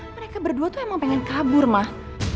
mereka berdua tuh emang pengen kabur mah